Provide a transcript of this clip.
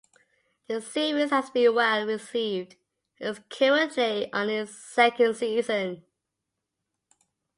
The series has been well received and is currently on its second season.